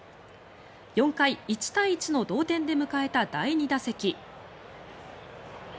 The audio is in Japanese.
４回、１対１の同点で迎えた第２打席。